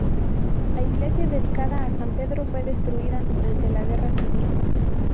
La iglesia dedicada a San Pedro fue destruida durante la Guerra Civil.